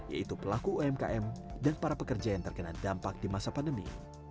yaitu pelaku umkm dan para pekerja yang terkena dampak di masa pandemi